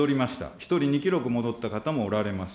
１人２記録戻った方もおられます。